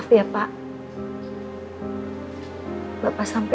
bisa berkomunikasi dalam video